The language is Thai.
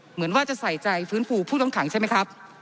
เหมือนว่าจะใส่ใจฟื้นฟูผู้ต้องขังใช่ไหมครับ